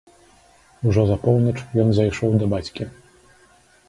Ужо за поўнач ён зайшоў да бацькі.